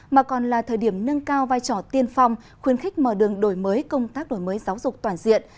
mà còn là thời điểm nâng cao vai trò tiên phong khuyến khích mở đường đổi mới công tác đổi mới giáo dục toàn diện